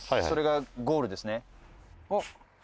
それがゴールですね。